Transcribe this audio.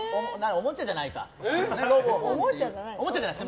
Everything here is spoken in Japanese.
おもちゃじゃないよ。